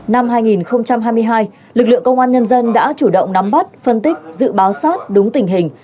năm hai nghìn hai mươi hai lực lượng công an nhân dân đã chủ động nắm bắt phân tích dự báo sát đúng tình hình